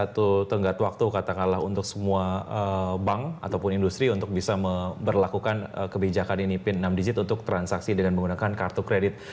jadi itu tenggat waktu katakanlah untuk semua bank ataupun industri untuk bisa berlakukan kebijakan ini pin enam digit untuk transaksi dengan menggunakan kartu kredit